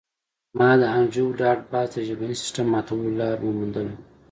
ما د انډریو ډاټ باس د ژبني سیستم ماتولو لار وموندله